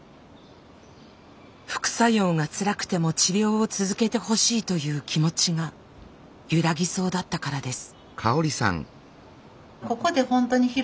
副作用がつらくても治療を続けてほしいという気持ちが揺らぎそうだったからです。